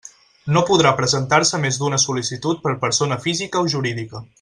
No podrà presentar-se més d'una sol·licitud per persona física o jurídica.